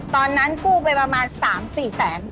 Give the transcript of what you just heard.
ตอนนั้นกู้ไปประมาณ๓๔แสน